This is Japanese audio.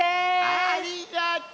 ありがとう。